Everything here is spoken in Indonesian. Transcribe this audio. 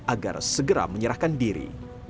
agar segera menyerahkan diri